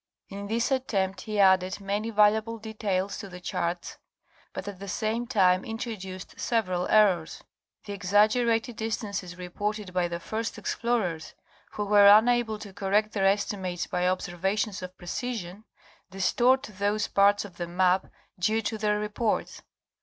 In this attempt he added many valuable details to the charts, but at the same time introduced several errors. The exagger ated distances reported by the first explorers who were unable to correct their estimates by observations of precision, distort those parts of the map due to their reports.